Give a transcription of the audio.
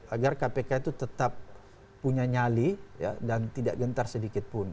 agar kpk itu tetap punya nyali dan tidak gentar sedikit pun